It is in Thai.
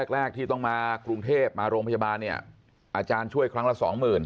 โรงพยาบาลเนี่ยอาจารย์ช่วยครั้งละสองหมื่น